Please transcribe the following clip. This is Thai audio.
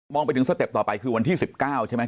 ไปถึงสเต็ปต่อไปคือวันที่๑๙ใช่ไหม